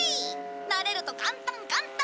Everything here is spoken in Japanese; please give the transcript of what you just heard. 慣れると簡単簡単！